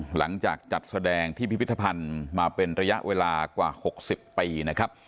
หลังจากจัดแสดงที่พิพิธภัณฑ์มาเป็นระยะเวลากว่า๖๐ปีนะครับ